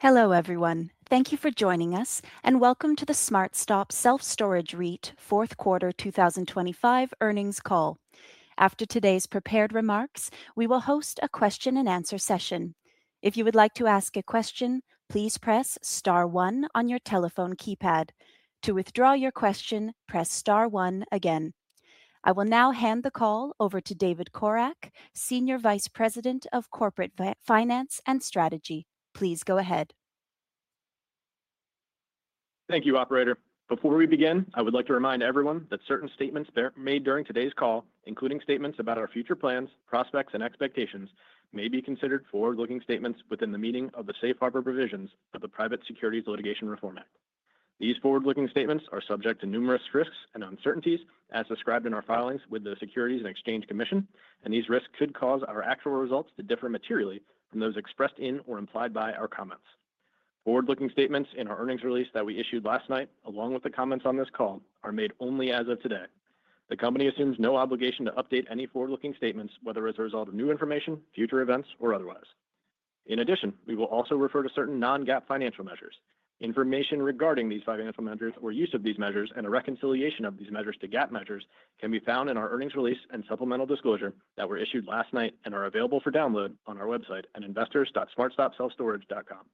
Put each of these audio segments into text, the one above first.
Hello, everyone. Thank you for joining us, welcome to the SmartStop Self Storage REIT Fourth Quarter 2025 Earnings Call. After today's prepared remarks, we will host a question and answer session. If you would like to ask a question, please press star one on your telephone keypad. To withdraw your question, press star one again. I will now hand the call over to David Corak, Senior Vice President of Corporate Finance and Strategy. Please go ahead. Thank you, operator. Before we begin, I would like to remind everyone that certain statements made during today's call, including statements about our future plans, prospects, and expectations, may be considered forward-looking statements within the meaning of the safe harbor provisions of the Private Securities Litigation Reform Act. These forward-looking statements are subject to numerous risks and uncertainties as described in our filings with the Securities and Exchange Commission. These risks could cause our actual results to differ materially from those expressed in or implied by our comments. Forward-looking statements in our earnings release that we issued last night, along with the comments on this call, are made only as of today. The company assumes no obligation to update any forward-looking statements, whether as a result of new information, future events, or otherwise. In addition, we will also refer to certain non-GAAP financial measures. Information regarding these financial measures or use of these measures and a reconciliation of these measures to GAAP measures can be found in our earnings release and supplemental disclosure that were issued last night and are available for download on our website at investors.smartstopselfstorage.com.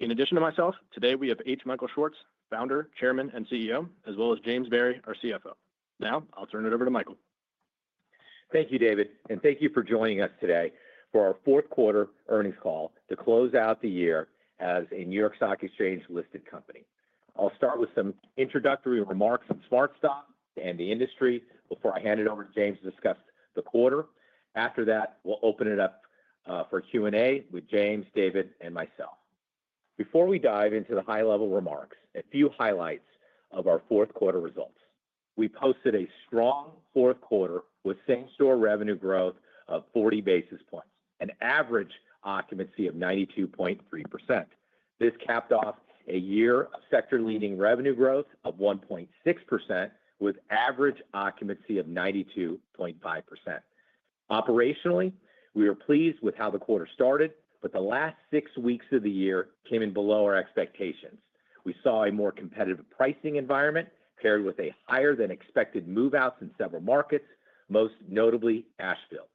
In addition to myself, today we have H. Michael Schwartz, Founder, Chairman, and CEO, as well as James Barry, our CFO. Now, I'll turn it over to Michael. Thank you, David, thank you for joining us today for our fourth quarter earnings call to close out the year as a New York Stock Exchange-listed company. I'll start with some introductory remarks on SmartStop and the industry before I hand it over to James to discuss the quarter. After that, we'll open it up for Q&A with James, David, and myself. Before we dive into the high-level remarks, a few highlights of our fourth quarter results. We posted a strong fourth quarter with same-store revenue growth of 40 basis points, an average occupancy of 92.3%. This capped off a year of sector-leading revenue growth of 1.6%, with average occupancy of 92.5%. Operationally, we were pleased with how the quarter started, the last six weeks of the year came in below our expectations. We saw a more competitive pricing environment, paired with a higher-than-expected move-outs in several markets, most notably Asheville.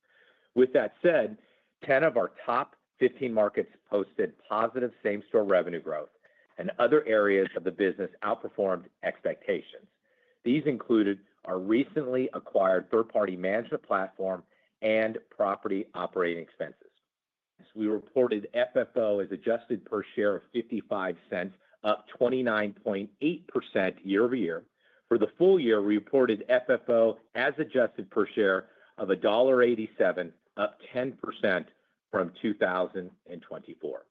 10 of our top 15 markets posted positive same-store revenue growth, and other areas of the business outperformed expectations. These included our recently acquired third-party management platform and property operating expenses. We reported FFO as adjusted per share of $0.55, up 29.8% year-over-year. For the full year, we reported FFO as adjusted per share of $1.87, up 10% from 2024.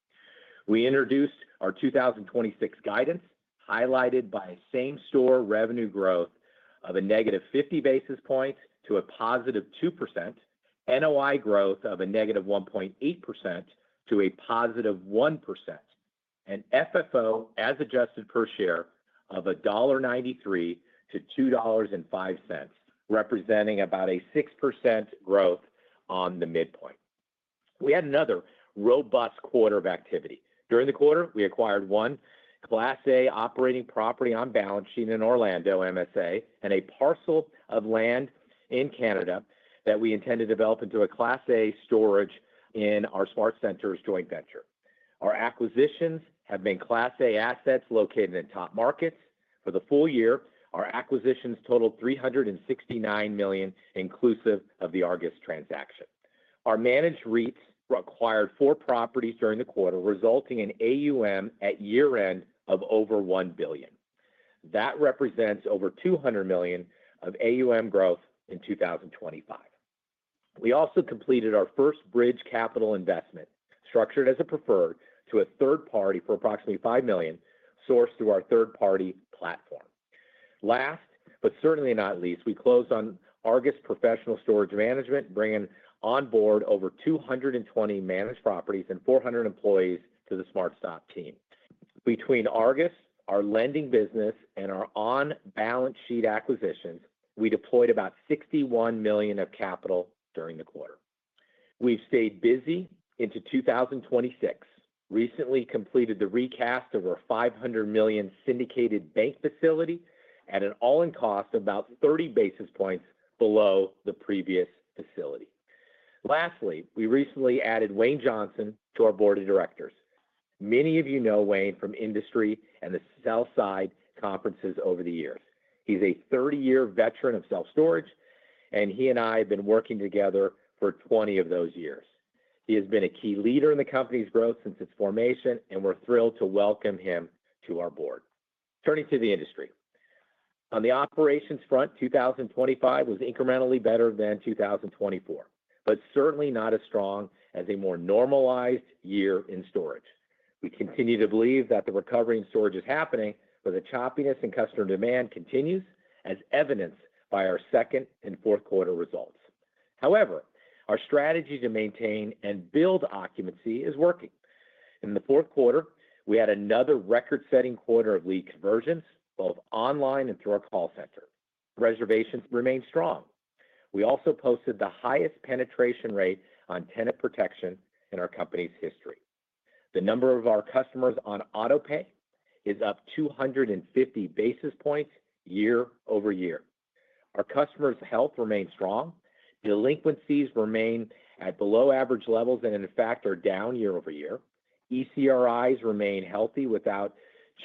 We introduced our 2026 guidance, highlighted by same-store revenue growth of -50 basis points to +2%, NOI growth of -1.8% to +1%, and FFO as adjusted per share of $1.93 to $2.05, representing about a 6% growth on the midpoint. We had another robust quarter of activity. During the quarter, we acquired one Class A operating property on balance sheet in Orlando MSA, and a parcel of land in Canada that we intend to develop into a Class A storage in our SmartCentres joint venture. Our acquisitions have been Class A assets located in top markets. For the full year, our acquisitions totaled $369 million, inclusive of the Argus transaction. Our managed REITs acquired four properties during the quarter, resulting in AUM at year-end of over $1 billion. That represents over $200 million of AUM growth in 2025. We also completed our first bridge capital investment, structured as a preferred to a third party for approximately $5 million, sourced through our third-party platform. Last, but certainly not least, we closed on Argus Professional Storage Management, bringing on board over 220 managed properties and 400 employees to the SmartStop team. Between Argus, our lending business, and our on-balance sheet acquisitions, we deployed about $61 million of capital during the quarter. We've stayed busy into 2026, recently completed the recast of our $500 million syndicated bank facility at an all-in cost of about 30 basis points below the previous facility. We recently added Wayne Johnson to our Board of Directors. Many of you know Wayne from industry and the sell-side conferences over the years. He's a 30-year veteran of self-storage, and he and I have been working together for 20 of those years. He has been a key leader in the company's growth since its formation, and we're thrilled to welcome him to our board. Turning to the industry. On the operations front, 2025 was incrementally better than 2024, but certainly not as strong as a more normalized year in storage. We continue to believe that the recovery in storage is happening, but the choppiness in customer demand continues, as evidenced by our second and fourth quarter results. However, our strategy to maintain and build occupancy is working. In the fourth quarter, we had another record-setting quarter of lead conversions, both online and through our call center. Reservations remain strong. We also posted the highest penetration rate on tenant protection in our company's history. The number of our customers on auto pay is up 250 basis points year-over-year. Our customers' health remains strong. Delinquencies remain at below average levels, and in fact, are down year-over-year. ECRIs remain healthy without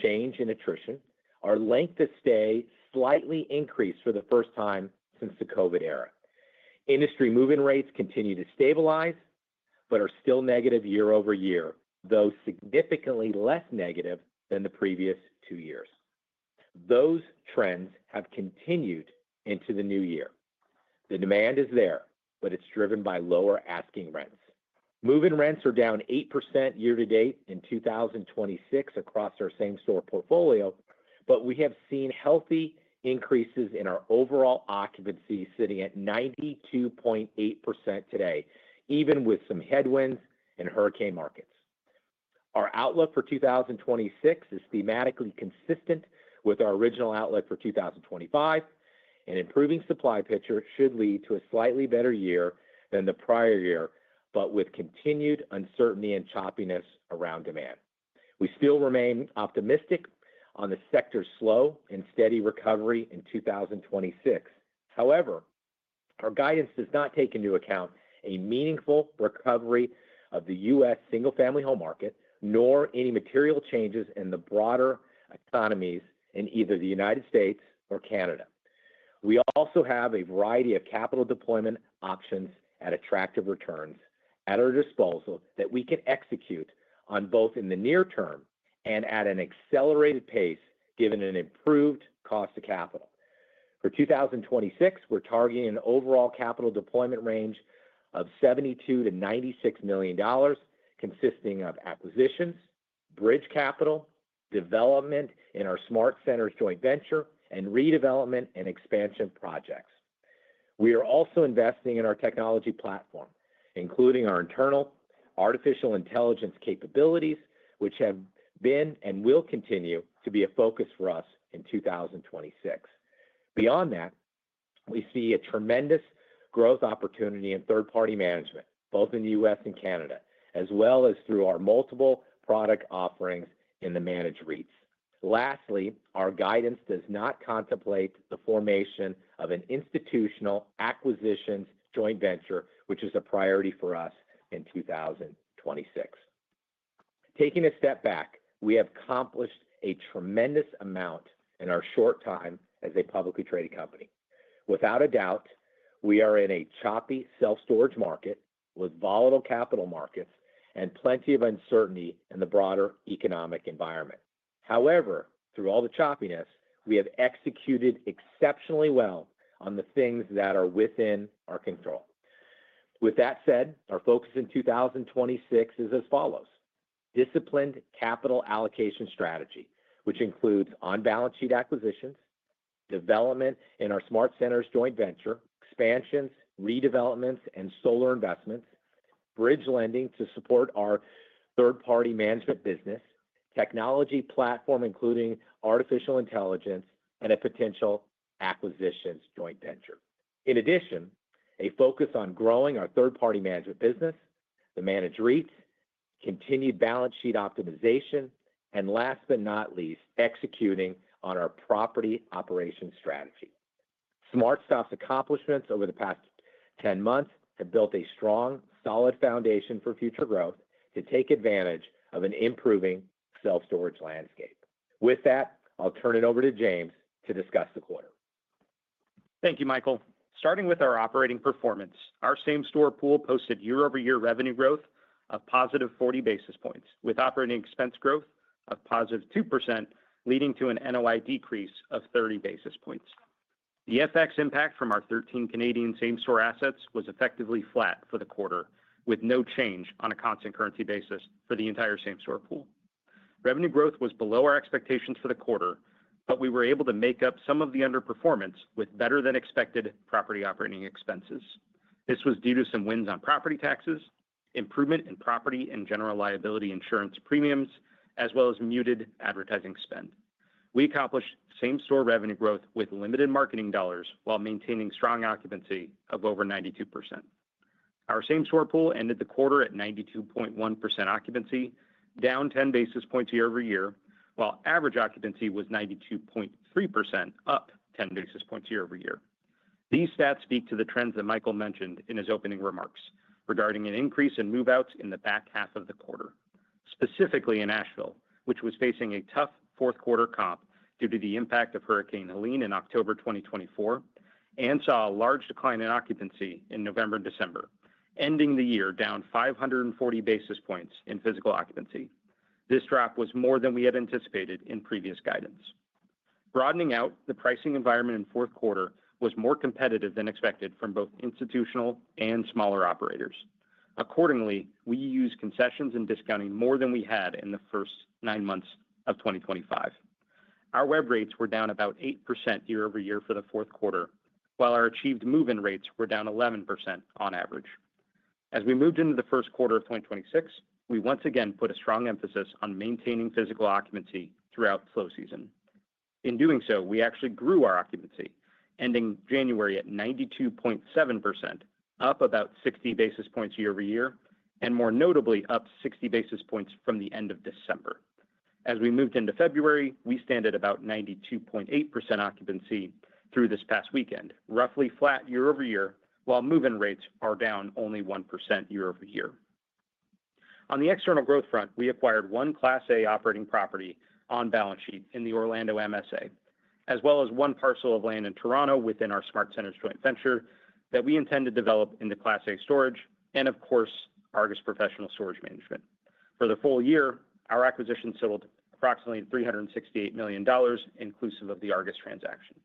change in attrition. Our length of stay slightly increased for the first time since the COVID era. Industry move-in rates continue to stabilize, but are still negative year-over-year, though significantly less negative than the previous 2 years. Those trends have continued into the new year. The demand is there, but it's driven by lower asking rents. Move-in rents are down 8% year to date in 2026 across our same store portfolio. We have seen healthy increases in our overall occupancy, sitting at 92.8% today, even with some headwinds in hurricane markets. Our outlook for 2026 is thematically consistent with our original outlook for 2025. Improving supply picture should lead to a slightly better year than the prior year, with continued uncertainty and choppiness around demand. We still remain optimistic on the sector's slow and steady recovery in 2026. However, our guidance does not take into account a meaningful recovery of the U.S. single-family home market, nor any material changes in the broader economies in either the United States or Canada. We also have a variety of capital deployment options at attractive returns at our disposal that we can execute on both in the near term and at an accelerated pace, given an improved cost of capital. For 2026, we're targeting an overall capital deployment range of $72 million-$96 million, consisting of acquisitions, bridge capital, development in our SmartCentres joint venture, and redevelopment and expansion projects. We are also investing in our technology platform, including our internal artificial intelligence capabilities, which have been and will continue to be a focus for us in 2026. We see a tremendous growth opportunity in third-party management, both in the U.S. and Canada, as well as through our multiple product offerings in the managed REITs. Lastly, our guidance does not contemplate the formation of an institutional acquisitions joint venture, which is a priority for us in 2026. Taking a step back, we have accomplished a tremendous amount in our short time as a publicly traded company. Without a doubt, we are in a choppy self-storage market, with volatile capital markets and plenty of uncertainty in the broader economic environment. However, through all the choppiness, we have executed exceptionally well on the things that are within our control. With that said, our focus in 2026 is as follows: disciplined capital allocation strategy, which includes on-balance sheet acquisitions, development in our SmartCentres joint venture, expansions, redevelopments, and solar investments, bridge lending to support our third-party management business, technology platform, including artificial intelligence, and a potential acquisitions joint venture. In addition, a focus on growing our third-party management business, the managed REITs, continued balance sheet optimization, and last but not least, executing on our property operations strategy. SmartStop's accomplishments over the past 10 months have built a strong, solid foundation for future growth to take advantage of an improving self-storage landscape. With that, I'll turn it over to James to discuss the quarter. Thank you, Michael. Starting with our operating performance, our same store pool posted year-over-year revenue growth of positive 40 basis points, with operating expense growth of positive 2%, leading to an NOI decrease of 30 basis points. The FX impact from our 13 Canadian same-store assets was effectively flat for the quarter, with no change on a constant currency basis for the entire same-store pool. Revenue growth was below our expectations for the quarter, we were able to make up some of the underperformance with better-than-expected property operating expenses. This was due to some wins on property taxes, improvement in property and general liability insurance premiums, as well as muted advertising spend. We accomplished same-store revenue growth with limited marketing dollars, while maintaining strong occupancy of over 92%. Our same-store pool ended the quarter at 92.1% occupancy, down 10 basis points year-over-year, while average occupancy was 92.3%, up 10 basis points year-over-year. These stats speak to the trends that Michael mentioned in his opening remarks regarding an increase in move-outs in the back half of the quarter, specifically in Asheville, which was facing a tough fourth quarter comp due to the impact of Hurricane Helene in October 2024, and saw a large decline in occupancy in November and December, ending the year down 540 basis points in physical occupancy. This drop was more than we had anticipated in previous guidance. Broadening out, the pricing environment in fourth quarter was more competitive than expected from both institutional and smaller operators. Accordingly, we used concessions and discounting more than we had in the first nine months of 2025. Our web rates were down about 8% year-over-year for the fourth quarter, while our achieved move-in rates were down 11% on average. We moved into the first quarter of 2026, we once again put a strong emphasis on maintaining physical occupancy throughout the slow season. In doing so, we actually grew our occupancy, ending January at 92.7%, up about 60 basis points year-over-year, and more notably, up 60 basis points from the end of December. We moved into February, we stand at about 92.8% occupancy through this past weekend, roughly flat year-over-year, while move-in rates are down only 1% year-over-year. On the external growth front, we acquired one Class A operating property on balance sheet in the Orlando MSA, as well as one parcel of land in Toronto within our SmartCentres joint venture, that we intend to develop into Class A storage, and of course, Argus Professional Storage Management. For the full year, our acquisitions settled approximately $368 million, inclusive of the Argus transaction.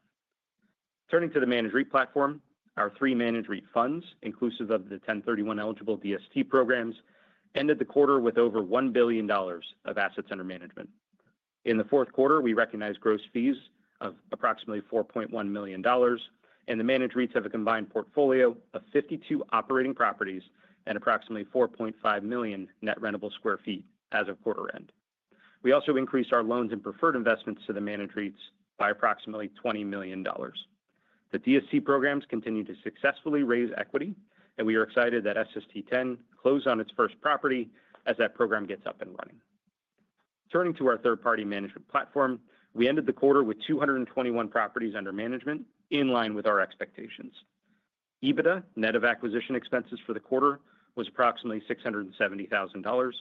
Turning to the managed REIT platform, our three managed REIT funds, inclusive of the 1031 eligible DST programs, ended the quarter with over $1 billion of assets under management. In the fourth quarter, we recognized gross fees of approximately $4.1 million. The managed REITs have a combined portfolio of 52 operating properties and approximately 4.5 million net rentable sq ft as of quarter end. We also increased our loans and preferred investments to the managed REITs by approximately $20 million. The DST programs continue to successfully raise equity, and we are excited that SST X closed on its first property as that program gets up and running. Turning to our third-party management platform, we ended the quarter with 221 properties under management, in line with our expectations. EBITDA, net of acquisition expenses for the quarter, was approximately $670,000,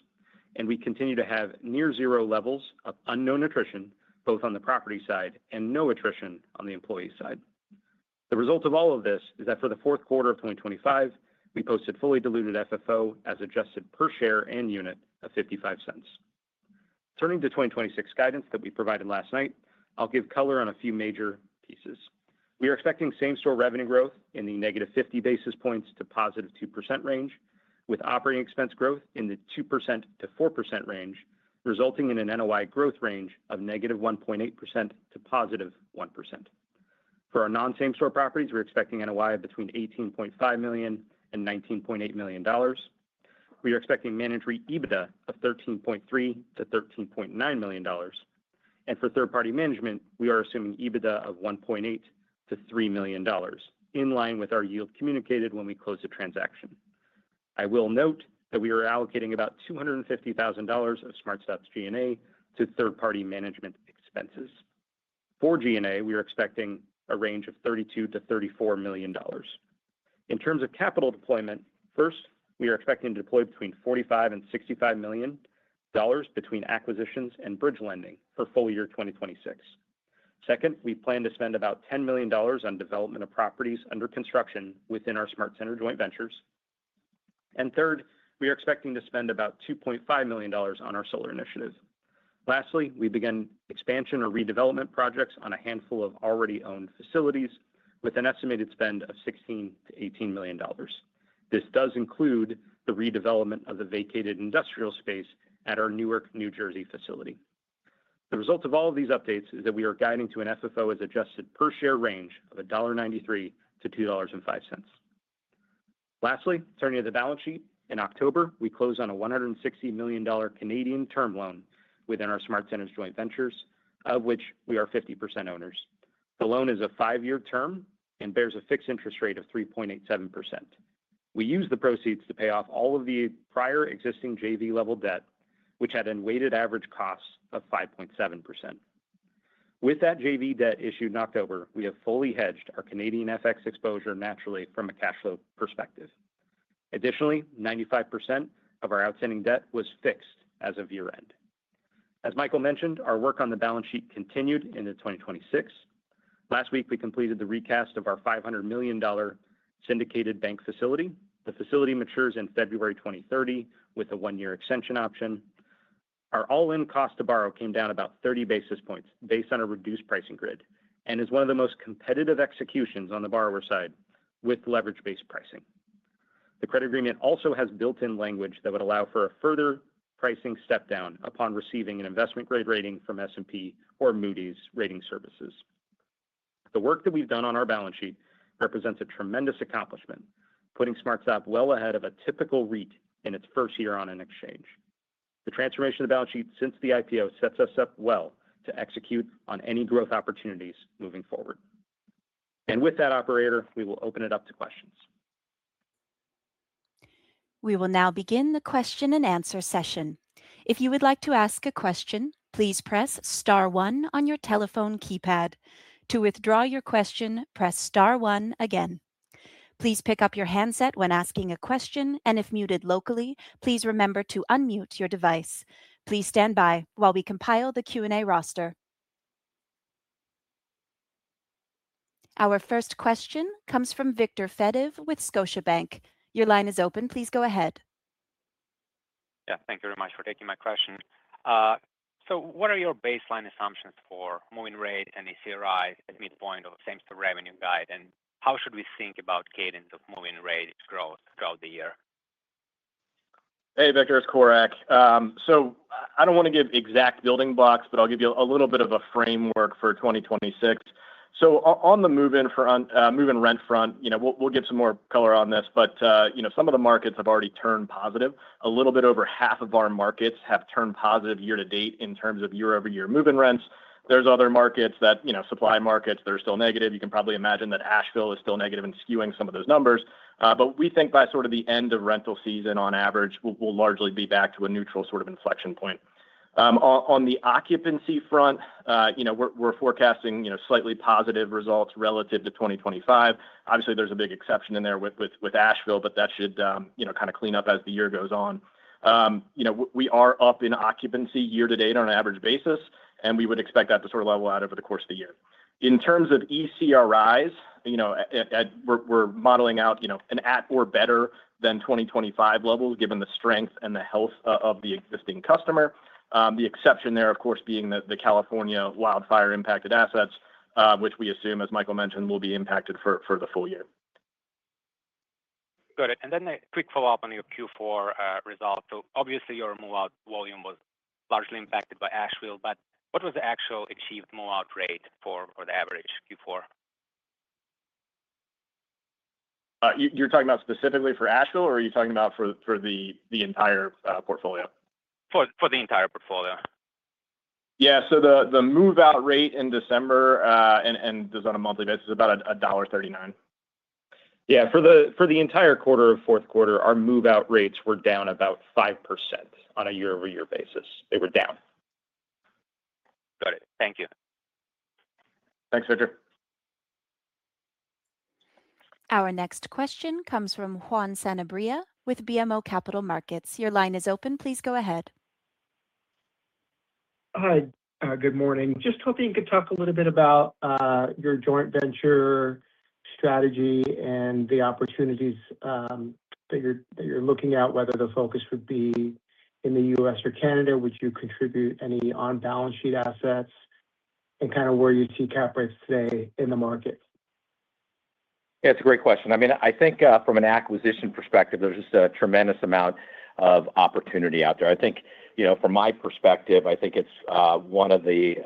and we continue to have near zero levels of unknown attrition, both on the property side, and no attrition on the employee side. The result of all of this is that for the fourth quarter of 2025, we posted fully diluted FFO as adjusted per share and unit of $0.55. Turning to 2026 guidance that we provided last night, I'll give color on a few major pieces. We are expecting same-store revenue growth in the -50 basis points to +2% range, with operating expense growth in the 2%-4% range, resulting in an NOI growth range of -1.8% to +1%. For our non-same store properties, we're expecting NOI of between $18.5 million and $19.8 million. We are expecting managed REIT EBITDA of $13.3 million-$13.9 million. For third-party management, we are assuming EBITDA of $1.8 million-$3 million, in line with our yield communicated when we closed the transaction. I will note that we are allocating about $250,000 of SmartStop's G&A to third-party management expenses. For G&A, we are expecting a range of $32 million-$34 million. In terms of capital deployment, first, we are expecting to deploy between $45 million and $65 million between acquisitions and bridge lending for full year 2026. Second, we plan to spend about $10 million on development of properties under construction within our SmartCentres joint ventures. Third, we are expecting to spend about $2.5 million on our solar initiative. Lastly, we began expansion or redevelopment projects on a handful of already owned facilities with an estimated spend of $16 million-$18 million. This does include the redevelopment of the vacated industrial space at our Newark, New Jersey, facility. The result of all of these updates is that we are guiding to an FFO as adjusted per share range of $1.93-$2.05. Lastly, turning to the balance sheet. In October, we closed on a 160 million Canadian dollars term loan within our SmartCentres joint ventures, of which we are 50% owners. The loan is a five-year term and bears a fixed interest rate of 3.87%. We used the proceeds to pay off all of the prior existing JV level debt, which had an weighted average cost of 5.7%. With that JV debt issued in October, we have fully hedged our Canadian FX exposure naturally from a cash flow perspective. Additionally, 95% of our outstanding debt was fixed as of year-end. As Michael mentioned, our work on the balance sheet continued into 2026. Last week, we completed the recast of our $500 million syndicated bank facility. The facility matures in February 2030, with a one-year extension option. Our all-in cost to borrow came down about 30 basis points based on a reduced pricing grid, and is one of the most competitive executions on the borrower side with leverage-based pricing. The credit agreement also has built-in language that would allow for a further pricing step down upon receiving an investment grade rating from S&P or Moody's Rating Services. The work that we've done on our balance sheet represents a tremendous accomplishment, putting SmartStop well ahead of a typical REIT in its first year on an exchange. The transformation of the balance sheet since the IPO sets us up well to execute on any growth opportunities moving forward. With that, operator, we will open it up to questions. We will now begin the question-and-answer session. If you would like to ask a question, please press star one on your telephone keypad. To withdraw your question, press star one again. Please pick up your handset when asking a question, and if muted locally, please remember to unmute your device. Please stand by while we compile the Q&A roster. Our first question comes from Viktor Fediv with Scotiabank. Your line is open. Please go ahead. Thank you very much for taking my question. What are your baseline assumptions for move-in rate and ACRI at midpoint of same-store revenue guide? How should we think about cadence of move-in rate growth throughout the year? Hey, Viktor, it's Corak. I don't wanna give exact building blocks, but I'll give you a little bit of a framework for 2026. on the move-in rent front, you know, we'll give some more color on this, but, you know, some of the markets have already turned positive. A little bit over half of our markets have turned positive year-to-date in terms of year-over-year move-in rents. There's other markets that, you know, supply markets that are still negative. You can probably imagine that Asheville is still negative and skewing some of those numbers. We think by sort of the end of rental season, on average, we'll largely be back to a neutral sort of inflection point. On the occupancy front, you know, we're forecasting, you know, slightly positive results relative to 2025. Obviously, there's a big exception in there with Asheville, but that should, you know, kind of clean up as the year goes on. You know, we are up in occupancy year to date on an average basis, and we would expect that to sort of level out over the course of the year. In terms of ECRIs, you know, we're modeling out, you know, an at or better than 2025 levels, given the strength and the health of the existing customer. The exception there, of course, being the California wildfire-impacted assets, which we assume, as Michael mentioned, will be impacted for the full year. Got it. A quick follow-up on your Q4 results. Obviously, your move-out volume was largely impacted by Asheville, but what was the actual achieved move-out rate for the average Q4? You're talking about specifically for Asheville, or are you talking about for the entire portfolio? For the entire portfolio. Yeah, the move-out rate in December, and just on a monthly basis is about $1.39. Yeah, for the entire quarter of fourth quarter, our move-out rates were down about 5% on a year-over-year basis. They were down. Got it. Thank you. Thanks, Viktor. Our next question comes from Juan Sanabria with BMO Capital Markets. Your line is open. Please go ahead. Hi. Good morning. Just hoping you could talk a little bit about your joint venture strategy and the opportunities that you're looking at, whether the focus would be in the U.S. or Canada. Would you contribute any on-balance sheet assets, and kind of where you see cap rates today in the market? Yeah, it's a great question. I mean, I think, from an acquisition perspective, there's just a tremendous amount of opportunity out there. I think, you know, from my perspective, I think it's one of the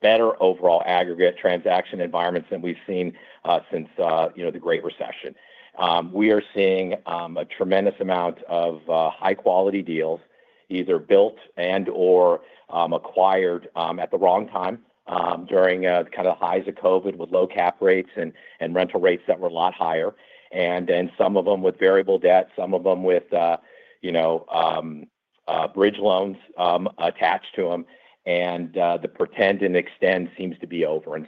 better overall aggregate transaction environments than we've seen, since, you know, the Great Recession. We are seeing a tremendous amount of high-quality deals either built and/or acquired at the wrong time, during kind of the highs of COVID with low cap rates and rental rates that were a lot higher. Then some of them with variable debt, some of them with, you know, bridge loans attached to them. The pretend and extend seems to be over.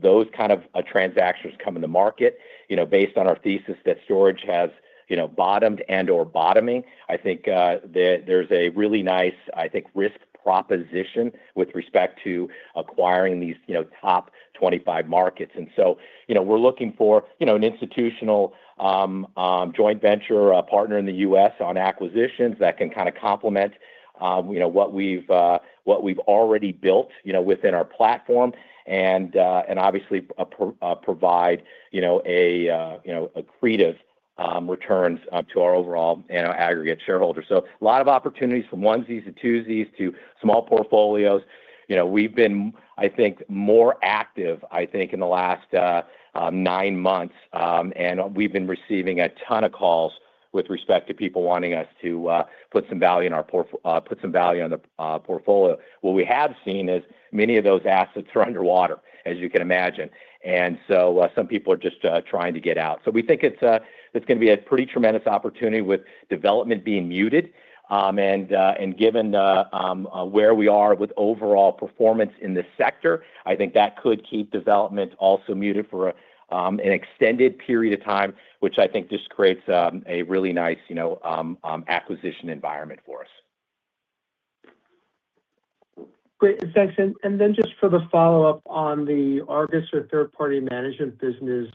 Those kind of transactions come in the market, you know, based on our thesis that storage has, you know, bottomed and/or bottoming. I think there's a really nice, I think, risk proposition with respect to acquiring these, you know, top 25 markets. You know, we're looking for, you know, an institutional joint venture, a partner in the U.S. on acquisitions that can kind of complement, you know, what we've already built, you know, within our platform, and obviously provide, you know, a, you know, accretive returns to our overall and our aggregate shareholders. A lot of opportunities, from onesies to twosies to small portfolios. You know, we've been, I think, more active, I think, in the last nine months, and we've been receiving a ton of calls with respect to people wanting us to put some value in our portfolio. What we have seen is many of those assets are underwater, as you can imagine. Some people are just trying to get out. We think it's gonna be a pretty tremendous opportunity with development being muted. Given the where we are with overall performance in this sector, I think that could keep development also muted for an extended period of time, which I think just creates a really nice, you know, acquisition environment for us. Great. Thanks. Then just for the follow-up on the Argus or third-party management business,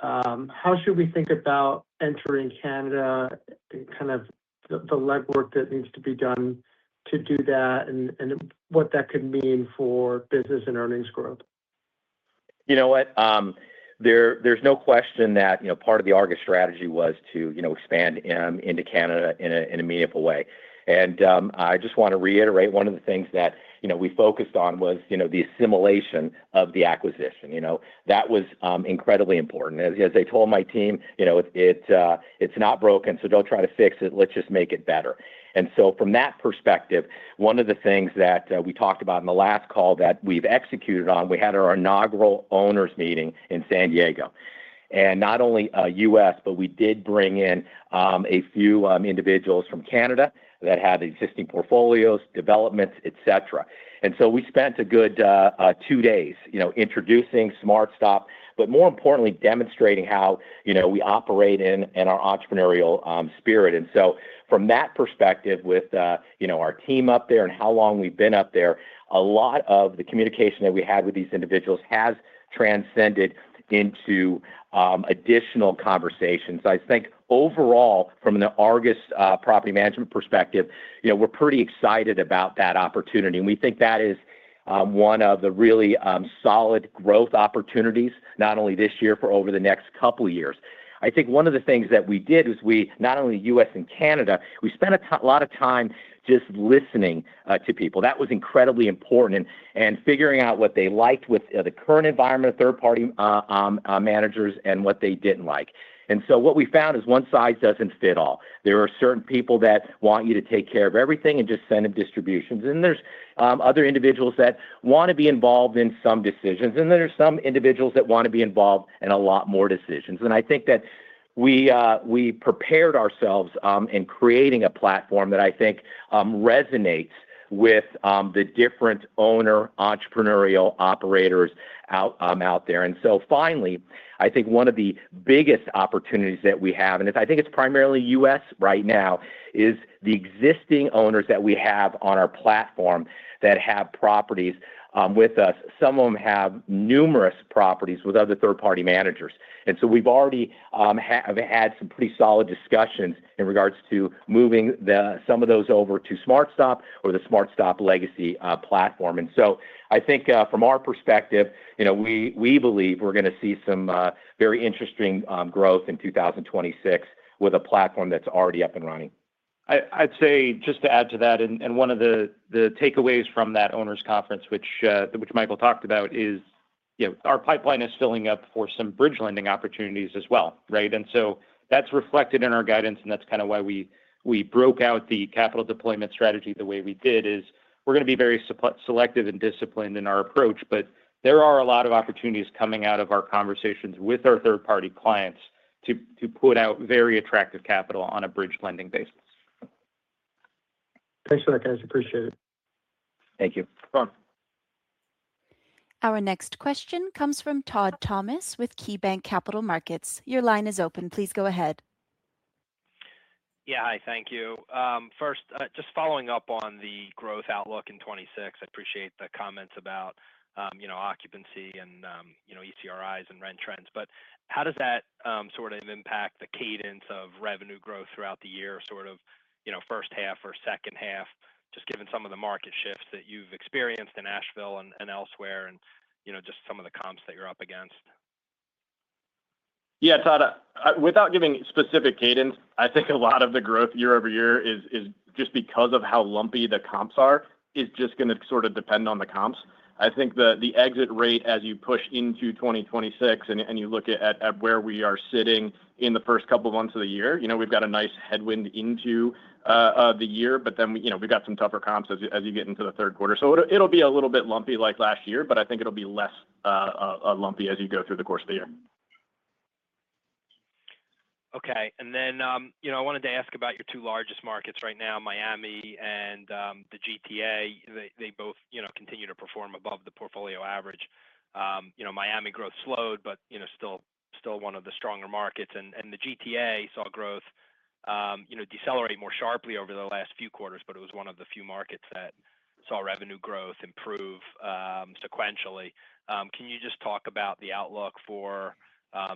how should we think about entering Canada, kind of the legwork that needs to be done to do that and what that could mean for business and earnings growth? You know what? There's no question that, you know, part of the Argus strategy was to, you know, expand into Canada in a meaningful way. I just want to reiterate one of the things that, you know, we focused on was, you know, the assimilation of the acquisition. You know, that was incredibly important. As I told my team, "You know, it's not broken, so don't try to fix it. Let's just make it better." From that perspective, one of the things that we talked about in the last call that we've executed on, we had our inaugural owners meeting in San Diego. Not only U.S., but we did bring in a few individuals from Canada that had existing portfolios, developments, et cetera. We spent a good two days, you know, introducing SmartStop, but more importantly, demonstrating how, you know, we operate in and our entrepreneurial spirit. From that perspective, with, you know, our team up there and how long we've been up there, a lot of the communication that we had with these individuals has transcended into additional conversations. I think overall, from the Argus property management perspective, you know, we're pretty excited about that opportunity, and we think that is one of the really solid growth opportunities, not only this year, for over the next two years. I think one of the things that we did is we, not only U.S. and Canada, we spent a lot of time just listening to people. That was incredibly important, and figuring out what they liked with the current environment of third-party managers and what they didn't like. What we found is one size doesn't fit all. There are certain people that want you to take care of everything and just send them distributions. There's other individuals that wanna be involved in some decisions, and then there are some individuals that wanna be involved in a lot more decisions. I think that we prepared ourselves in creating a platform that I think resonates with the different owner entrepreneurial operators out there. Finally, I think one of the biggest opportunities that we have, and I think it's primarily U.S. right now, is the existing owners that we have on our platform that have properties with us. Some of them have numerous properties with other third-party managers. We've already have had some pretty solid discussions in regards to moving the, some of those over to SmartStop or the SmartStop Legacy platform. I think from our perspective, you know, we believe we're gonna see some very interesting growth in 2026 with a platform that's already up and running. I'd say, just to add to that, and one of the takeaways from that owners conference, which Michael talked about, is, you know, our pipeline is filling up for some bridge lending opportunities as well, right? That's reflected in our guidance, and that's kind of why we broke out the capital deployment strategy the way we did, is we're gonna be very selective and disciplined in our approach. There are a lot of opportunities coming out of our conversations with our third-party clients to put out very attractive capital on a bridge lending basis. Thanks for that, guys. Appreciate it. Thank you. No problem. Our next question comes from Todd Thomas with KeyBanc Capital Markets. Your line is open. Please go ahead. Yeah. Hi, thank you. First, just following up on the growth outlook in 2026, I appreciate the comments about, you know, occupancy and, you know, ECRIs and rent trends. How does that sort of impact the cadence of revenue growth throughout the year, sort of, you know, first half or second half, just given some of the market shifts that you've experienced in Asheville and elsewhere, and, you know, just some of the comps that you're up against? Yeah, Todd, without giving specific cadence, I think a lot of the growth year-over-year is just because of how lumpy the comps are, just gonna sort of depend on the comps. I think the exit rate as you push into 2026 and you look at where we are sitting in the first couple of months of the year, you know, we've got a nice headwind into the year, but then, you know, we've got some tougher comps as you get into the third quarter. It'll be a little bit lumpy like last year, but I think it'll be less lumpy as you go through the course of the year. Okay. Then, you know, I wanted to ask about your two largest markets right now, Miami and the GTA. They both, you know, continue to perform above the portfolio average. You know, Miami growth slowed, but, you know, still one of the stronger markets. The GTA saw growth, you know, decelerate more sharply over the last few quarters, but it was one of the few markets that saw revenue growth improve, sequentially. Can you just talk about the outlook for,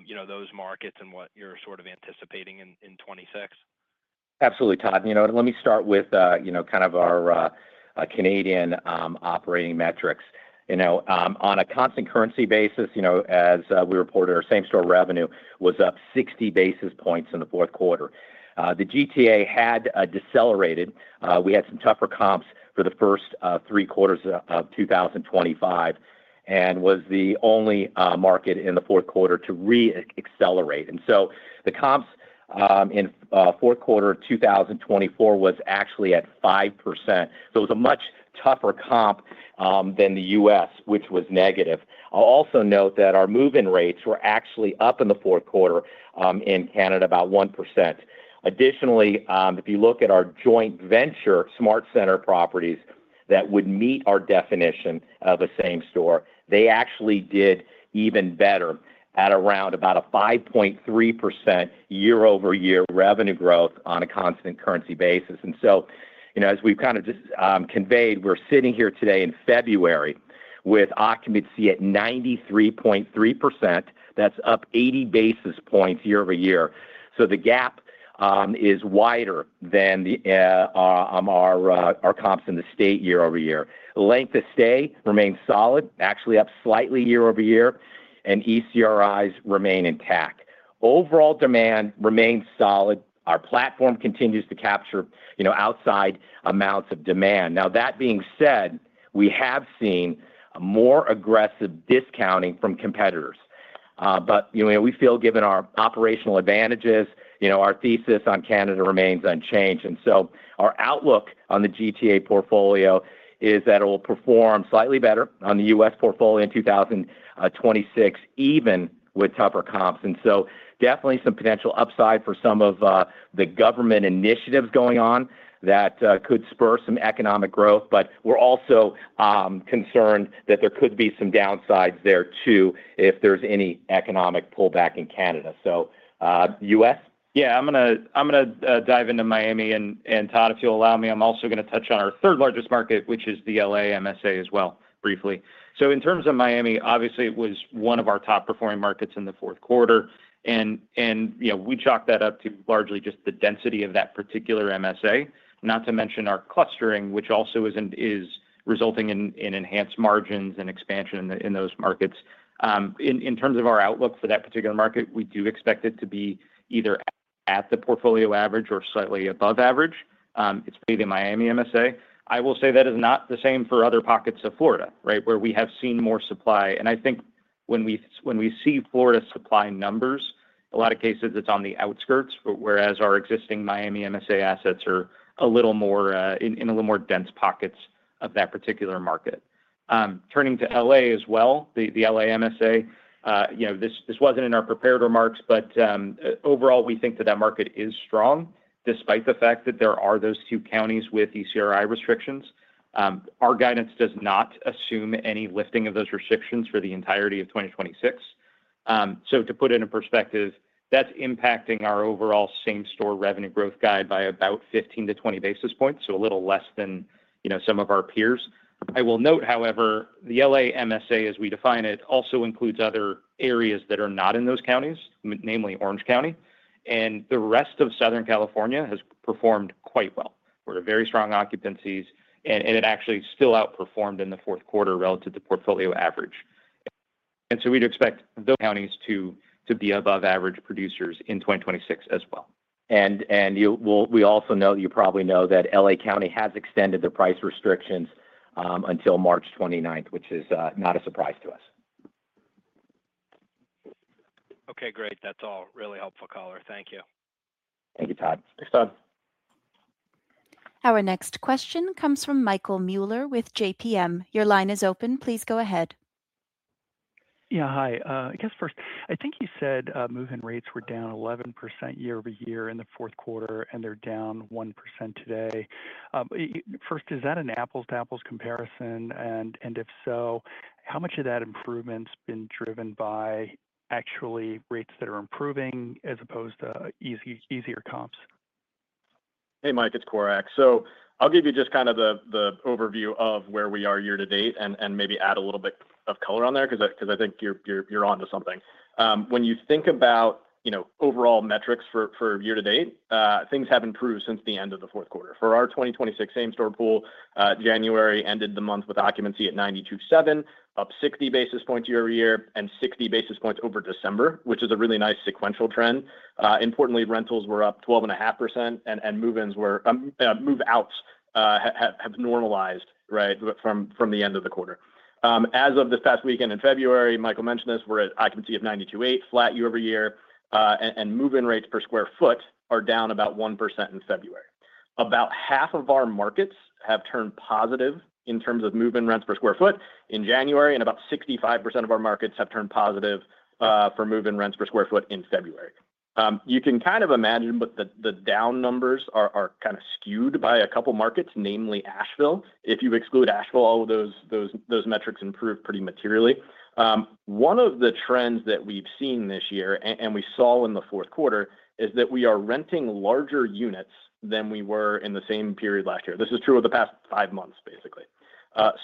you know, those markets and what you're sort of anticipating in 2026? Absolutely, Todd. You know, let me start with, you know, kind of our Canadian operating metrics. You know, on a constant currency basis, you know, as we reported, our same-store revenue was up 60 basis points in the fourth quarter. The GTA had decelerated. We had some tougher comps for the first three quarters of 2025, and was the only market in the fourth quarter to re-accelerate. The comps in fourth quarter of 2024 was actually at 5%. It was a much tougher comp than the U.S., which was negative. I'll also note that our move-in rates were actually up in the fourth quarter in Canada, about 1%. Additionally, if you look at our joint venture SmartCentres properties that would meet our definition of a same store, they actually did even better at around about a 5.3% year-over-year revenue growth on a constant currency basis. You know, as we've kind of just conveyed, we're sitting here today in February with occupancy at 93.3%. That's up 80 basis points year-over-year. The gap is wider than our comps in the state year-over-year. Length of stay remains solid, actually up slightly year-over-year, and ECRIs remain intact. Overall demand remains solid. Our platform continues to capture, you know, outside amounts of demand. Now, that being said, we have seen a more aggressive discounting from competitors. You know, we feel given our operational advantages, you know, our thesis on Canada remains unchanged. Our outlook on the GTA portfolio is that it will perform slightly better on the U.S. portfolio in 2026, even with tougher comps. Definitely some potential upside for some of the government initiatives going on that could spur some economic growth. We're also concerned that there could be some downsides there, too, if there's any economic pullback in Canada. U.S.? I'm gonna dive into Miami, and Todd, if you'll allow me, I'm also gonna touch on our third largest market, which is the L.A. MSA as well, briefly. In terms of Miami, obviously, it was one of our top-performing markets in the fourth quarter. You know, we chalk that up to largely just the density of that particular MSA, not to mention our clustering, which also is resulting in enhanced margins and expansion in those markets. In terms of our outlook for that particular market, we do expect it to be at the portfolio average or slightly above average. It's mainly the Miami MSA. I will say that is not the same for other pockets of Florida, right? Where we have seen more supply. I think when we see Florida supply numbers, a lot of cases it's on the outskirts, but whereas our existing Miami MSA assets are a little more in a little more dense pockets of that particular market. Turning to L.A. as well, the L.A. MSA, you know, this wasn't in our prepared remarks, but overall, we think that that market is strong, despite the fact that there are those two counties with ECRI restrictions. Our guidance does not assume any lifting of those restrictions for the entirety of 2026. To put it in perspective, that's impacting our overall same-store revenue growth guide by about 15 to 20 basis points, so a little less than, you know, some of our peers. I will note, however, the L.A. MSA, as we define it, also includes other areas that are not in those counties, namely Orange County, and the rest of Southern California has performed quite well, where the very strong occupancies, and it actually still outperformed in the fourth quarter relative to portfolio average. We'd expect those counties to be above average producers in 2026 as well. Well, we also know that you probably know that L.A. County has extended the price restrictions until March 29th, which is not a surprise to us. Okay, great. That's all. Really helpful color. Thank you. Thank you, Todd. Thanks, Todd. Our next question comes from Michael Mueller with JPM. Your line is open. Please go ahead. Hi. I guess first, I think you said, move-in rates were down 11% year-over-year in the fourth quarter, and they're down 1% today. First, is that an apples-to-apples comparison? If so, how much of that improvement's been driven by actually rates that are improving as opposed to easier comps? Hey, Mike, it's Corak. I'll give you just kind of the overview of where we are year-to-date and maybe add a little bit of color on there 'cause I think you're onto something. When you think about, you know, overall metrics for year-to-date, things have improved since the end of the fourth quarter. For our 2026 same store pool, January ended the month with occupancy at 92.7, up 60 basis points year-over-year and 60 basis points over December, which is a really nice sequential trend. Importantly, rentals were up 12.5%, and move-ins were move-outs have normalized, right, from the end of the quarter. As of this past weekend in February, Michael mentioned this, we're at occupancy of 92.8%, flat year-over-year, and move-in rates per square foot are down about 1% in February. About half of our markets have turned positive in terms of move-in rents per square foot in January, and about 65% of our markets have turned positive for move-in rents per square foot in February. You can kind of imagine, but the down numbers are kind of skewed by a couple markets, namely Asheville. If you exclude Asheville, all of those metrics improve pretty materially. One of the trends that we've seen this year and we saw in the fourth quarter, is that we are renting larger units than we were in the same period last year. This is true of the past five months, basically.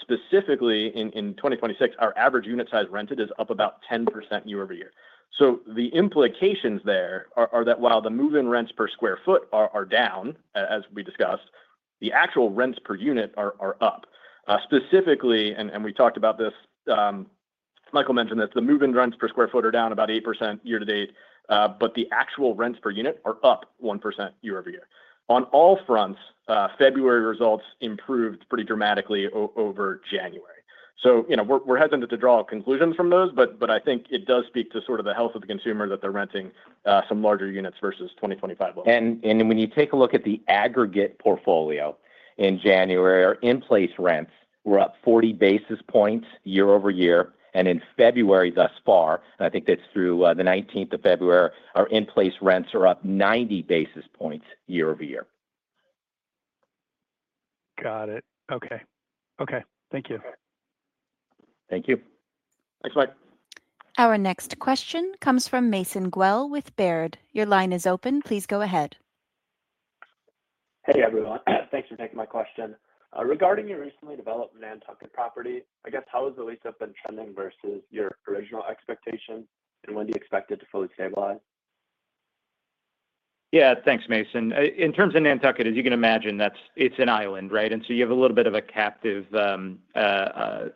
Specifically in 2026, our average unit size rented is up about 10% year-over-year. The implications there are that while the move-in rents per square foot are down, as we discussed, the actual rents per unit are up. Specifically, and we talked about this, Michael mentioned this, the move-in rents per square foot are down about 8% year-to-date, but the actual rents per unit are up 1% year-over-year. On all fronts, February results improved pretty dramatically over January. You know, we're hesitant to draw conclusions from those, but I think it does speak to sort of the health of the consumer that they're renting some larger units versus 2025. When you take a look at the aggregate portfolio in January, our in-place rents were up 40 basis points year-over-year, and in February, thus far, and I think that's through the 19th of February, our in-place rents are up 90 basis points year-over-year. Got it. Okay. Okay. Thank you. Thank you. Thanks, Mike. Our next question comes from Kimon Guelle with Baird. Your line is open. Please go ahead. Hey, everyone. Thanks for taking my question. Regarding your recently developed Nantucket property, I guess how has the lease-up been trending versus your original expectation, and when do you expect it to fully stabilize? Yeah. Thanks, Mason. In terms of Nantucket, as you can imagine, it's an island, right? You have a little bit of a captive tenant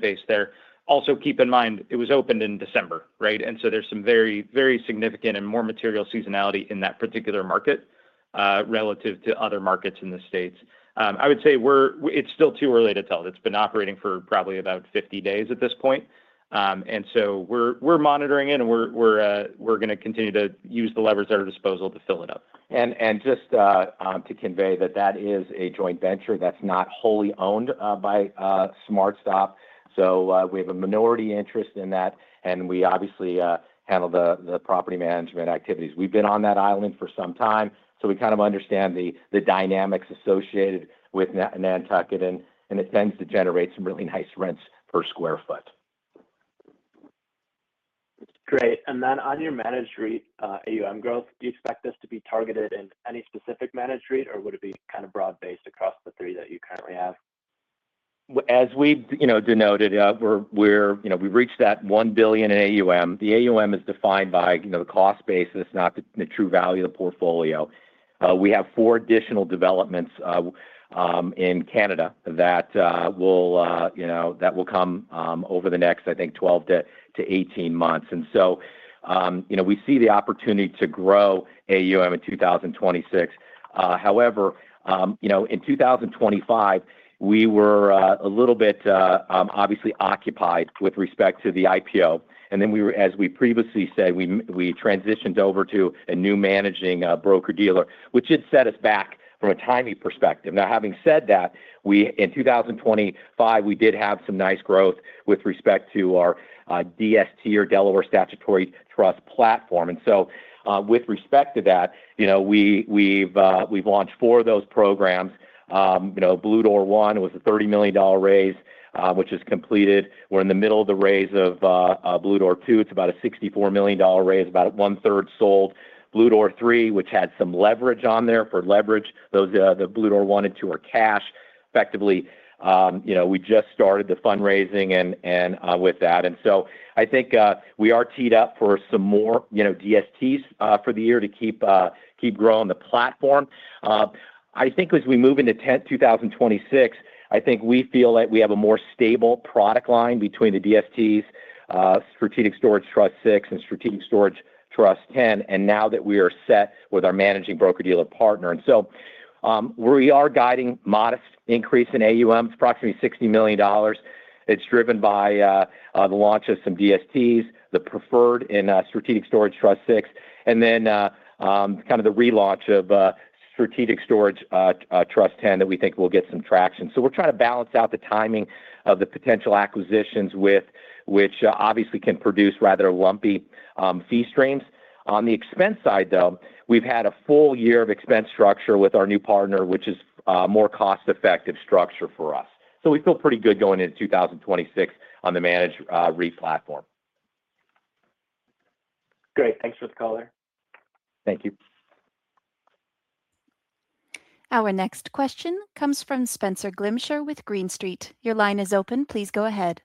base there. Also, keep in mind, it was opened in December, right? There's some very, very significant and more material seasonality in that particular market relative to other markets in the States. I would say it's still too early to tell. It's been operating for probably about 50 days at this point. We're, we're monitoring it, and we're gonna continue to use the levers at our disposal to fill it up. Just to convey that is a joint venture that's not wholly owned by SmartStop. We have a minority interest in that, and we obviously handle the property management activities. We've been on that island for some time, so we kind of understand the dynamics associated with Nantucket, and it tends to generate some really nice rents per square foot. Great. On your managed rate, AUM growth, do you expect this to be targeted in any specific managed rate, or would it be kind of broad-based across the three that you currently have? As we've, you know, denoted, we've reached that $1 billion in AUM. The AUM is defined by, you know, the cost basis, not the true value of the portfolio. We have four additional developments in Canada that will, you know, that will come over the next, I think, 12 to 18 months. You know, we see the opportunity to grow AUM in 2026. However, you know, in 2025, we were a little bit obviously occupied with respect to the IPO, and then as we previously said, we transitioned over to a new managing broker-dealer, which did set us back from a timing perspective. Having said that, we, in 2025, we did have some nice growth with respect to our DST or Delaware Statutory Trust platform. With respect to that, you know, we've launched four of those programs. You know, Blue Door One was a $30 million raise, which is completed. We're in the middle of the raise of Blue Door Two. It's about a $64 million raise, about one-third sold. Blue Door Three, which had some leverage on there for leverage. Those, the Blue Door One and Two are cash, effectively. You know, we just started the fundraising and with that. I think we are teed up for some more, you know, DSTs for the year to keep growing the platform. I think as we move into 2026, I think we feel like we have a more stable product line between the DSTs, Strategic Storage Trust VI and Strategic Storage Trust X, and now that we are set with our managing broker-dealer partner. We are guiding modest increase in AUM, approximately $60 million. It's driven by the launch of some DSTs, the preferred in Strategic Storage Trust VI, and then kind of the relaunch of Strategic Storage Trust X that we think will get some traction. We're trying to balance out the timing of the potential acquisitions with which obviously can produce rather lumpy fee streams. On the expense side, though, we've had a full year of expense structure with our new partner, which is a more cost-effective structure for us. We feel pretty good going into 2026 on the managed, REIT platform. Great. Thanks for the color. Thank you. Our next question comes from Spenser Allaway with Green Street. Your line is open. Please go ahead.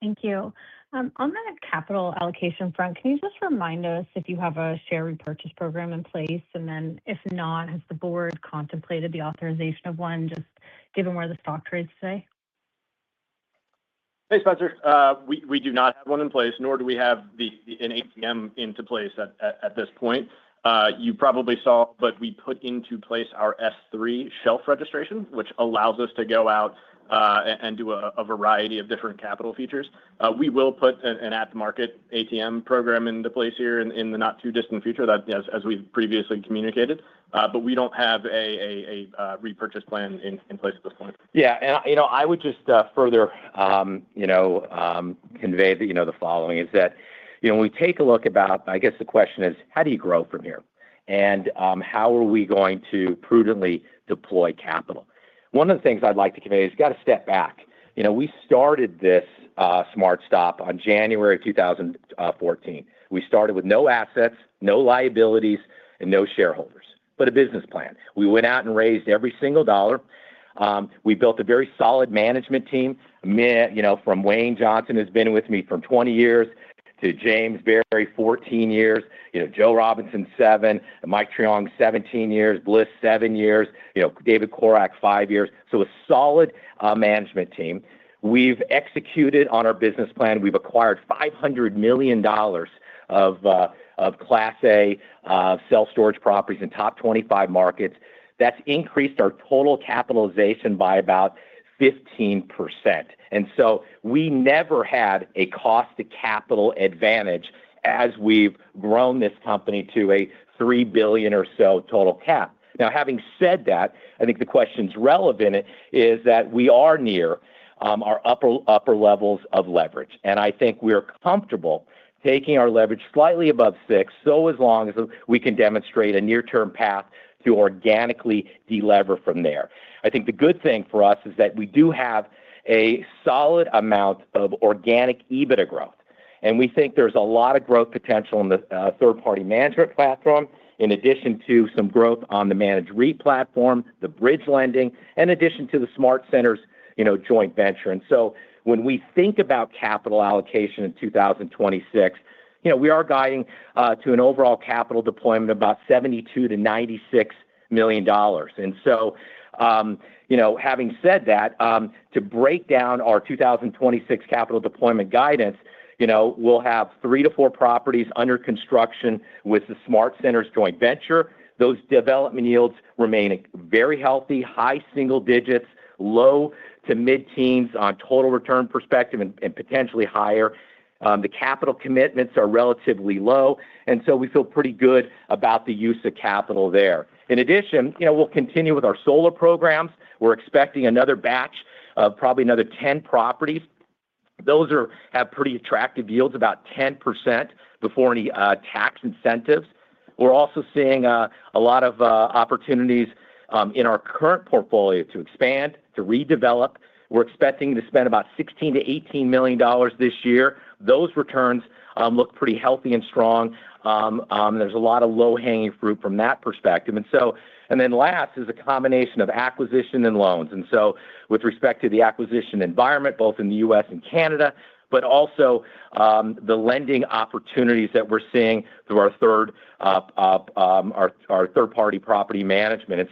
Thank you. On the capital allocation front, can you just remind us if you have a share repurchase program in place? If not, has the board contemplated the authorization of one, just given where the stock trades today? Hey, Spenser. We do not have one in place, nor do we have an ATM into place at this point. You probably saw, we put into place our S-3 shelf registration, which allows us to go out and do a variety of different capital features. We will put an at-the-market ATM program into place here in the not-too-distant future, as we've previously communicated, we don't have a repurchase plan in place at this point. Yeah, and, you know, I would just further, you know, convey that, you know, the following is that, you know, when we take a look. I guess the question is: How do you grow from here? How are we going to prudently deploy capital? One of the things I'd like to convey is you gotta step back. You know, we started this SmartStop on January 2014. We started with no assets, no liabilities, and no shareholders, but a business plan. We went out and raised every single dollar. We built a very solid management team. Man, you know, from Wayne Johnson, who's been with me for 20 years, to James Barry, 14 years, you know, Joe Robinson, seven, Mike Terjung, 17 years, Bliss, seven years, you know, David Corak, five years. A solid management team. We've executed on our business plan. We've acquired $500 million of Class A self-storage properties in top 25 markets. That's increased our total capitalization by about 15%. We never had a cost to capital advantage as we've grown this company to a $3 billion or so total cap. Having said that, I think the question's relevant is that we are near our upper levels of leverage, and I think we're comfortable taking our leverage slightly above 6 as long as we can demonstrate a near-term path to organically delever from there. I think the good thing for us is that we do have a solid amount of organic EBITDA growth, and we think there's a lot of growth potential in the third-party management platform, in addition to some growth on the managed REIT platform, the bridge lending, in addition to the SmartCentres, you know, joint venture. When we think about capital allocation in 2026, you know, we are guiding to an overall capital deployment of about $72 million-$96 million. You know, having said that, to break down our 2026 capital deployment guidance, you know, we'll have three to four properties under construction with the SmartCentres joint venture. Those development yields remain very healthy, high single digits, low to mid-teens on total return perspective and potentially higher. The capital commitments are relatively low, we feel pretty good about the use of capital there. In addition, you know, we'll continue with our solar programs. We're expecting another batch of probably another 10 properties. Those have pretty attractive yields, about 10% before any tax incentives. We're also seeing a lot of opportunities in our current portfolio to expand, to redevelop. We're expecting to spend about $16 million-$18 million this year. Those returns look pretty healthy and strong. There's a lot of low-hanging fruit from that perspective. Last is a combination of acquisition and loans. With respect to the acquisition environment, both in the U.S. and Canada, but also the lending opportunities that we're seeing through our third-party property management.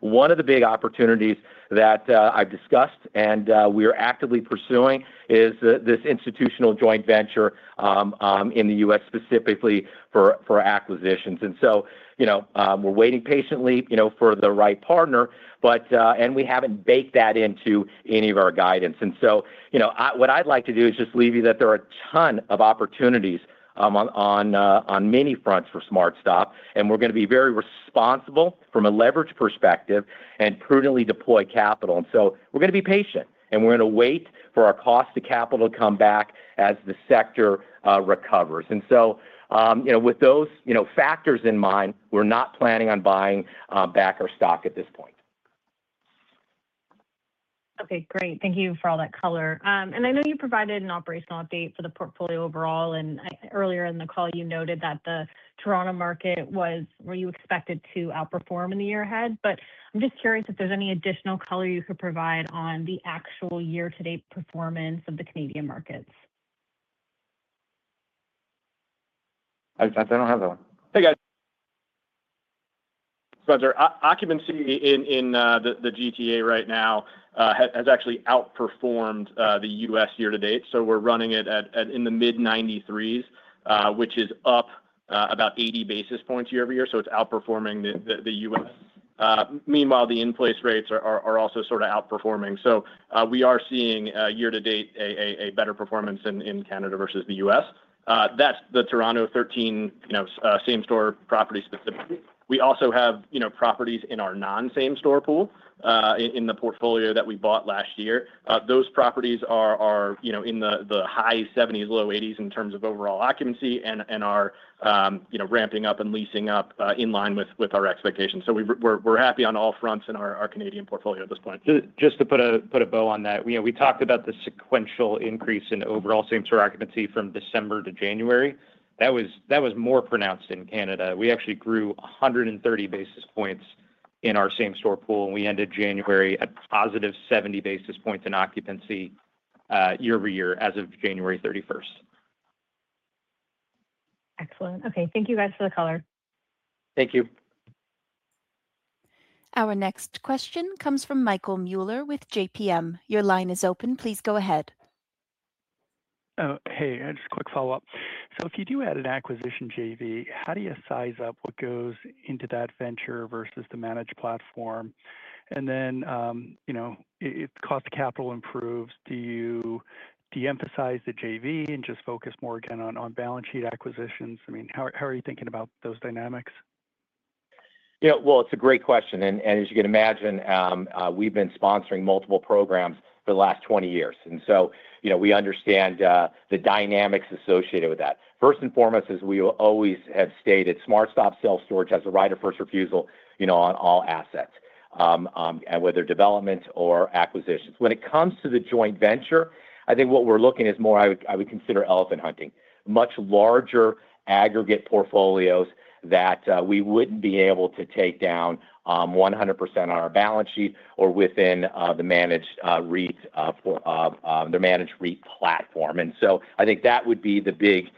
One of the big opportunities that I've discussed and we are actively pursuing is this institutional joint venture in the U.S., specifically for acquisitions. You know, we're waiting patiently, you know, for the right partner, but we haven't baked that into any of our guidance. You know, what I'd like to do is just leave you that there are a ton of opportunities on many fronts for SmartStop, and we're gonna be very responsible from a leverage perspective and prudently deploy capital. We're gonna be patient, and we're gonna wait for our cost to capital to come back as the sector recovers. You know, with those, you know, factors in mind, we're not planning on buying back our stock at this point. Okay, great. Thank you for all that color. I know you provided an operational update for the portfolio overall, earlier in the call, you noted that the Toronto market was where you expected to outperform in the year ahead. I'm just curious if there's any additional color you could provide on the actual year-to-date performance of the Canadian markets? I don't have that one. Hey, guys. Spenser, occupancy in the GTA right now has actually outperformed the U.S. year to date, so we're running it at, in the mid 90s, which is up about 80 basis points year-over-year, so it's outperforming the U.S. Meanwhile, the in-place rates are also sort of outperforming. We are seeing year to date, a better performance in Canada versus the U.S. That's the Toronto 13, you know, same-store property specifically. We also have, you know, properties in our non-same-store pool in the portfolio that we bought last year. Those properties are, you know, in the high 70s, low 80s in terms of overall occupancy and are, you know, ramping up and leasing up in line with our expectations. We're happy on all fronts in our Canadian portfolio at this point. Just to put a bow on that, you know, we talked about the sequential increase in overall same store occupancy from December to January. That was more pronounced in Canada. We actually grew 130 basis points in our same store pool, and we ended January at positive 70 basis points in occupancy year-over-year, as of January 31st. Excellent. Okay, thank you guys for the color. Thank you. Our next question comes from Michael Mueller with JPM. Your line is open. Please go ahead. Hey, just a quick follow-up. If you do add an acquisition JV, how do you size up what goes into that venture versus the managed platform? And then, you know, if cost of capital improves, do you de-emphasize the JV and just focus more again on balance sheet acquisitions? I mean, how are you thinking about those dynamics? Well, it's a great question, and as you can imagine, we've been sponsoring multiple programs for the last 20 years, you know, we understand the dynamics associated with that. First and foremost, as we always have stated, SmartStop Self Storage has a right of first refusal, you know, on all assets, whether development or acquisitions. When it comes to the joint venture, I think what we're looking is more I would consider elephant hunting. Much larger aggregate portfolios that we wouldn't be able to take down 100% on our balance sheet or within the managed REIT for the managed REIT platform. I think that would be the big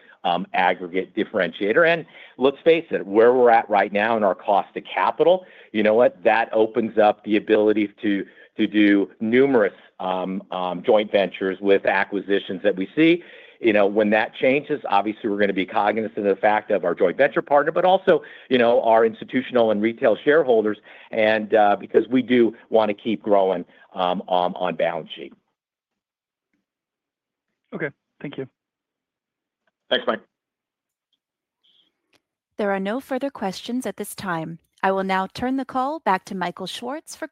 aggregate differentiator. Let's face it, where we're at right now in our cost to capital, you know what? That opens up the ability to do numerous joint ventures with acquisitions that we see. You know, when that changes, obviously, we're gonna be cognizant of the fact of our joint venture partner, but also, you know, our institutional and retail shareholders, and because we do want to keep growing on balance sheet. Okay. Thank you. Thanks, Mike. There are no further questions at this time. I will now turn the call back to Michael Schwartz for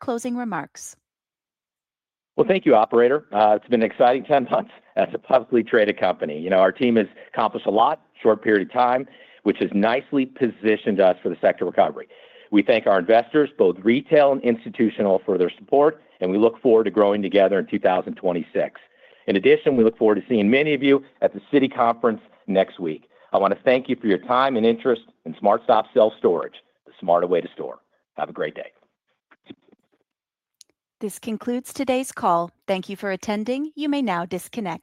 closing remarks. Well, thank you, operator. It's been an exciting 10 months as a publicly traded company. You know, our team has accomplished a lot short period of time, which has nicely positioned us for the sector recovery. We thank our investors, both retail and institutional, for their support. We look forward to growing together in 2026. In addition, we look forward to seeing many of you at the Citi conference next week. I want to thank you for your time and interest in SmartStop Self Storage, the smarter way to store. Have a great day. This concludes today's call. Thank you for attending. You may now disconnect.